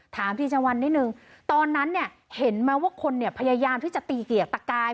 ถามพี่ชะวันนิดนึงตอนนั้นเนี่ยเห็นไหมว่าคนเนี่ยพยายามที่จะตีเกียกตะกาย